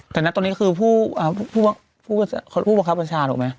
แต่นะตอนนี้คือผู้บังคับบัญชาถูกไหม